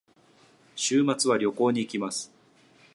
週末に旅行に行きます。